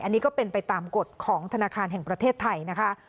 อันนี้ก็เป็นไปตามกฎของธนาคารแห่งประเทศไทยนะคะ